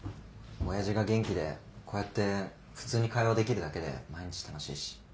親父が元気でこうやって普通に会話できるだけで毎日楽しいし。